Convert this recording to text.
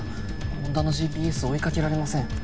恩田のＧＰＳ追いかけられません